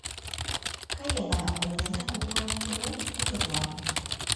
Каена, ойлена кугурак пӧлем-ӱдырлан.